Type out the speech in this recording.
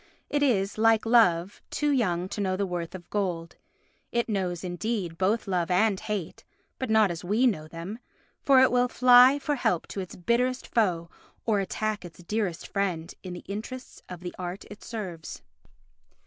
It is, like Love, "too young to know the worth of gold." It knows, indeed, both love and hate, but not as we know them, for it will fly for help to its bitterest foe, or attack its dearest friend in the interests of the art it serves.